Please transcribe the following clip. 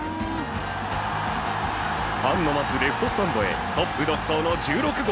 ファンの待つレフトスタンドへトップ独走の１６号。